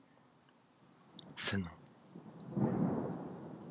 He was called to the bar, and went on the Munster circuit.